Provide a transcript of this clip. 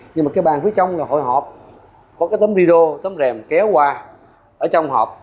nhưng mà cái bàn phía trong là hội hộp có cái tấm rì rô tấm rèm kéo qua ở trong hộp